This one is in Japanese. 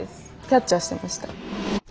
キャッチャーしてました。